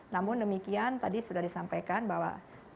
namun demikian tadi sudah disampaikan bahwa